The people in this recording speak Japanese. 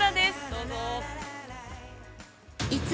どうぞ。